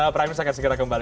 primus akan segera kembali